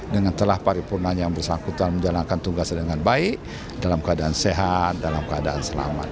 dengan telah paripurna yang bersangkutan menjalankan tugasnya dengan baik dalam keadaan sehat dalam keadaan selamat